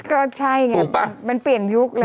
ก็ใช่มันเปลี่ยนยุคแล้ว